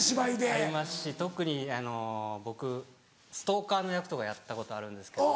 ありますし特に僕ストーカーの役とかやったことあるんですけど。